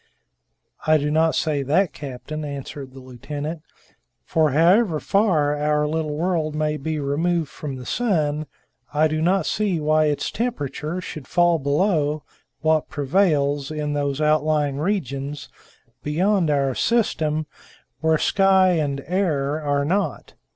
"I do not say that, captain," answered the lieutenant; "for, however far our little world may be removed from the sun, I do not see why its temperature should fall below what prevails in those outlying regions beyond our system where sky and air are not."